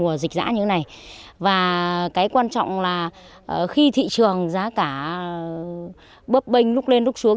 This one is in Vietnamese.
trong những mùa dịch giã như thế này và cái quan trọng là khi thị trường giá cả bấp bênh lúc lên lúc xuống